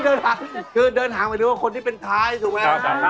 ดื่นหางคือเดินหางก็คือคนที่เป็นท้ายเที่ยวมา